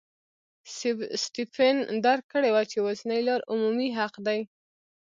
سټېفن درک کړې وه چې یوازینۍ لار عمومي حق دی.